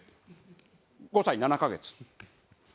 ５歳７カ月。